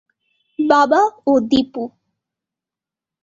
বাবা ও দীপু।